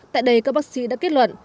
tại đây các bác sĩ đã kết luận